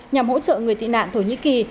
nhằm hỗ trợ người tị nạn thổ nhĩ kỳ